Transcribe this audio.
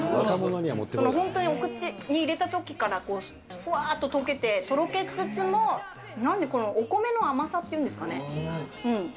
本当にお口に入れたときから、ふわーっと溶けて、とろけつつも、なんでこのお米の甘さっていうんですかね。